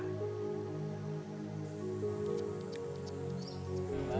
leuser adalah tempat yang sangat berharga